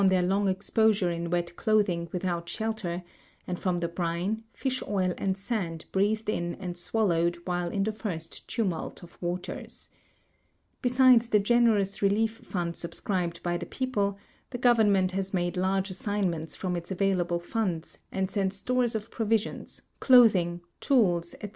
XXXIII RECENT EARTHQUAKE WAVE ON COAST OF JAPAN 289 long exposure in wet clothing without shelter and from the brine, fish oil, and sand breathed in and swallowed while in the first tumult of waters. Besides the generous relief fund subscribed by the people, the government has made large assignments from its available funds and sent stores of provisions, clothing, tools, etc.